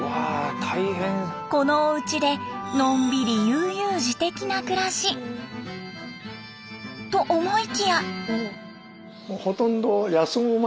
このおうちでのんびり悠々自適な暮らしと思いきや。